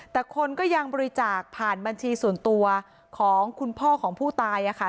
แต่คนก็ยังบริจาคผ่านบัญชีส่วนตัวของคุณพ่อของผู้ตายค่ะ